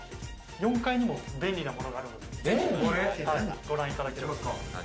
４階にも便利なものがあるので、ぜひご覧いただければ。